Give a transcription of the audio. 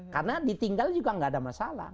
karena ditinggal juga gak ada masalah